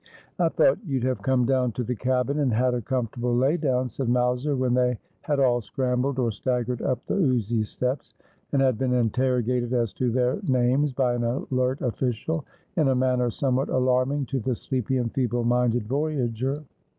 ' I thought you'd have come down to the cabin and had a comfortable lay down,' said Mowser when they had aU scrambled or staggered up the oozy steps, and had been interrogated as to their names by an alert official, in a manner somewhat alarming to the sleepy and feeble minded voyager.